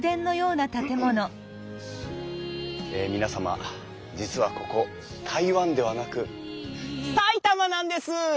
え皆様実はここ台湾ではなく埼玉なんです！